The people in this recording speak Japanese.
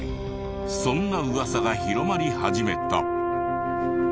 そんな噂が広まり始めた。